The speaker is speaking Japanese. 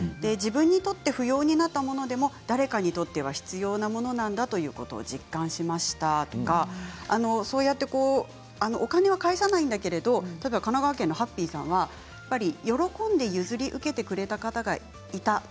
自分にとって不要になったものでも誰かにとっては必要なものなんだということを実感しましたとかそうやってお金は介さないんだけれども、例えば神奈川県の方からは喜んで譲り受けてくれた方がいた。